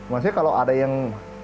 masih kalau ada yang